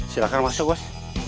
silahkan masuk boss